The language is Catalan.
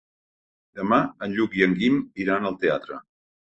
Demà en Lluc i en Guim iran al teatre.